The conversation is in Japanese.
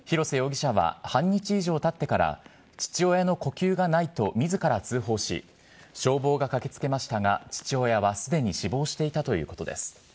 広瀬容疑者は半日以上たってから、父親の呼吸がないとみずから通報し、消防が駆けつけましたが、父親はすでに死亡していたということです。